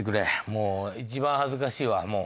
もう一番恥ずかしいわ。